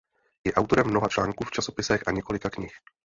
Je autorem mnoha článků v časopisech a několika knih.